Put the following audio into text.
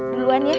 duluan ya cik